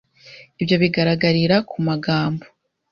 Ibyo bigaragarira ku magambo